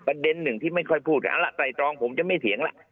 ประเด็นหนึ่งที่ไม่ค่อยพูดตายตรองผมจะไม่เถียงล่ะ